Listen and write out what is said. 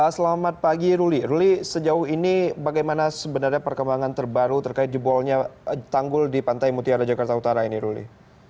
selamat pagi ruli ruli sejauh ini bagaimana sebenarnya perkembangan terbaru terkait jebolnya tanggul di pantai mutiara jakarta utara ini ruli